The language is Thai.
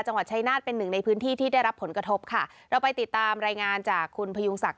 จังหวัดชายนาฏเป็นหนึ่งในพื้นที่ที่ได้รับผลกระทบค่ะเราไปติดตามรายงานจากคุณพยุงศักดิ